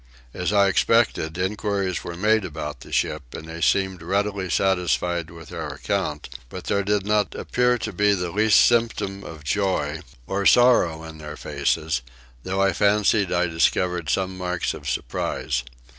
As I expected enquiries were made about the ship, and they seemed readily satisfied with our account; but there did not appear the least symptom of joy or sorrow in their faces, although I fancied I discovered some marks of surprise.